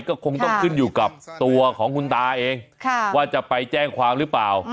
ก็คงต้องขึ้นอยู่กับตัวของคุณตาเองว่าจะไปแจ้งความหรือเปล่า